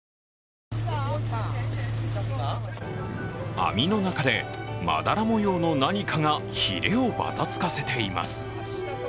網の中で、まだら模様の何かがひれをばたつかせています。